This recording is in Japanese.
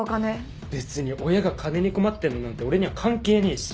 別に親が金に困ってんのなんて俺には関係ねえし。